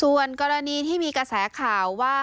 ส่วนกรณีที่มีกระแสข่าวว่า